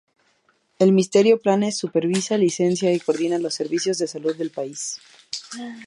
El ministerio planes, supervisa, licencia y coordina los servicios de salud del país.